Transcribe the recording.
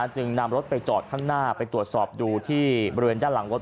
จึงนำรถไปจอดข้างหน้าไปตรวจสอบดูที่บริเวณด้านหลังรถ